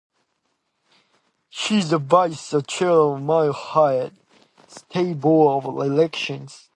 He is the Vice Chair of the Maryland State Board of Elections.